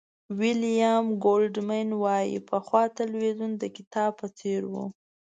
ویلیام گولډمېن وایي پخوا تلویزیون د کتاب په څېر و.